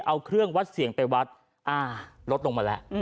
เอาเครื่องวัดเสียงไปวัดอ่าลดลงมาแล้ว